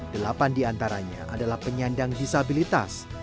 delapan di antaranya adalah penyandang disabilitas